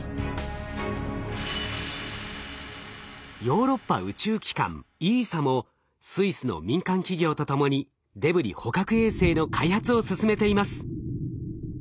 ヨーロッパ宇宙機関ＥＳＡもスイスの民間企業と共にデブリ捕獲衛星の開発を進めています。